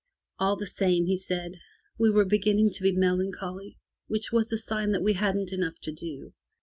All the same, he said, we were beginning to be melancholy, which was a sign that we hadn't enough to do.